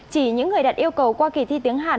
chỉ những người đặt yêu cầu qua kỳ thi tiếng hàn